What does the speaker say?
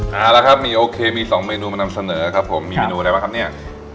เอาละครับมีโอเคมีสองเมนูมานำเสนอครับผมมีเมนูอะไรบ้างครับเนี่ย